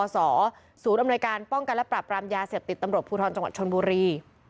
ศูนย์อำนวยการป้องกันและปรับรามยาเสพติดตำรวจภูทรจังหวัดชนบุรี